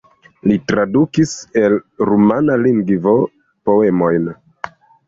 Li tradukis el rumana lingvo poemojn.